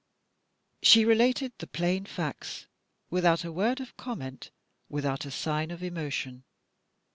She related the plain facts; without a word of comment, without a sign of emotion.